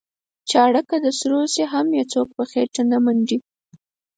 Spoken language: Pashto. چاړه که د سرو شي هم څوک یې په خېټه نه منډي.